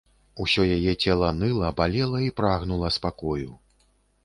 Усё яе цела ныла, балела і прагнула спакою.